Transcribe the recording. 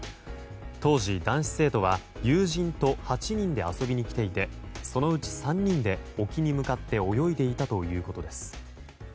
当時、男子生徒は友人と８人で遊びに来ていてそのうち３人で沖に向かって泳いでいたということです。